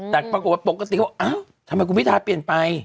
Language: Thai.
แต่ปรากฏว่าปกติเขาบอกอ้าวทำไมคุณพิทาเปลี่ยนไป